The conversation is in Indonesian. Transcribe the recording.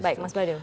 oke baik mas badil